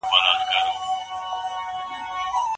ایا ته په دې باور یې چي څېړنه انسان بدلوي؟